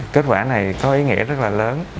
kết quả này có ý nghĩa rất là lớn